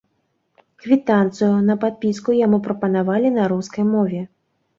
Квітанцыю на падпіску яму прапанавалі на рускай мове.